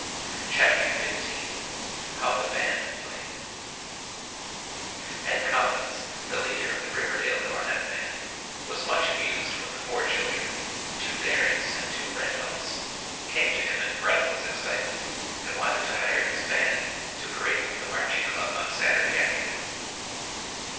CHAPTER XV HOW THE BAND PLAYED Ed Collins, the leader of the Riverdale Cornet Band, was much amused when the four children two Darings and two Randolphs came to him in breathless excitement and wanted to hire his band to parade with the Marching Club on Saturday afternoon.